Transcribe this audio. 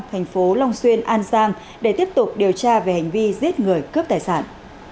thành phố long xuyên an giang để tiếp tục điều tra về hành vi giết người cướp tài sản